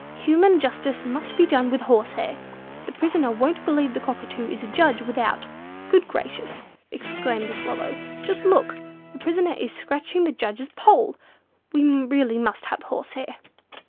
Human justice must be done with horsehair. The prisoner won't believe the Cockatoo is a judge without. Good Gracious!" exclaimed the Swallow, "just look! The prisoner is scratching the judge's poll! We really must have horsehair!"